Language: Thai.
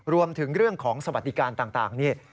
รวมถึงเรื่องของสวัสดิการต่างนี่